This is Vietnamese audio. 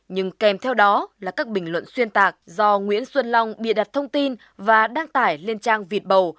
nhưng kèm theo đó là các bình luận xuyên tạc do nguyễn xuân long bịa đặt thông tin và đăng tải lên trang vịt bầu